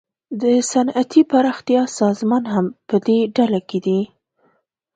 د صنعتي پراختیا سازمان هم پدې ډله کې دی